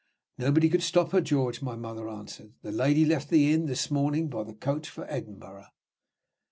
"Nobody could stop her, George," my mother answered. "The lady left the inn this morning by the coach for Edinburgh."